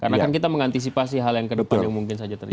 karena kan kita mengantisipasi hal yang ke depan yang mungkin saja terjadi